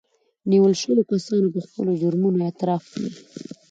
نيول شويو کسانو په خپلو جرمونو اعتراف کړی